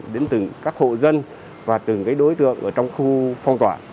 đến từng các hộ dân và từng đối tượng ở trong khu phong tỏa